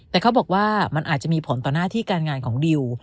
แต่เขาบอกว่ามันอาจจะมีผลต่อหน้าที่การงานของดิว